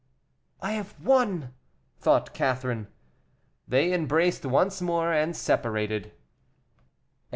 "I have won," thought Catherine. They embraced once more, and separated.